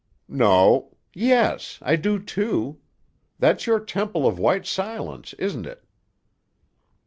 "No. Yes; I do, too. That's your temple of white silence, isn't it?"